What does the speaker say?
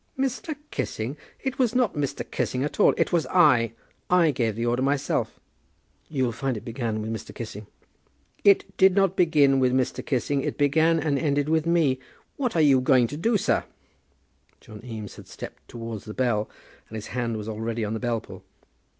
"Mr. Kissing! It was not Mr. Kissing at all. It was I. I gave the order myself." "You'll find it began with Mr. Kissing." "It did not begin with Mr. Kissing; it began and ended with me. What are you going to do, sir?" John Eames had stepped towards the bell, and his hand was already on the bell pull.